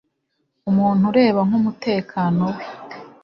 Umuntu ureba k’umutekano we